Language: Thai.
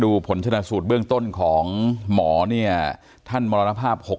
ผลชนะสูตรเบื้องต้นของหมอเนี่ยท่านมรณภาพ